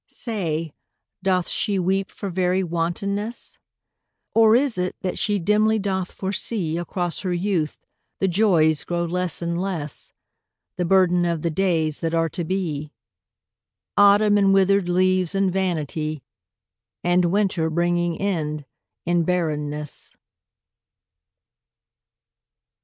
Say, doth she weep for very wantonness? Or is it that she dimly doth foresee Across her youth the joys grow less and less The burden of the days that are to be: Autumn and withered leaves and vanity, And winter bringing end in barrenness.